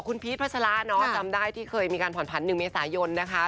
คุณพีชพัชระเนาะจำได้ที่เคยมีการผ่อนผัน๑เมษายนนะคะ